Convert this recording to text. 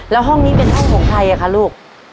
แล้วห้องนี้เป็นห้องของใครอ่ะคะลูก